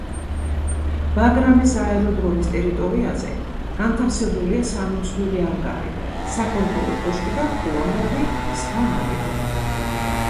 ბაგრამის აეროდრომის ტერიტორიაზე განთავსებულია სამი მსხვილი ანგარი, საკონტროლო კოშკი და უამრავი სხვა ნაგებობა.